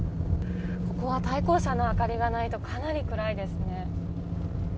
ここは対向車の明かりがないとかなり暗いですね。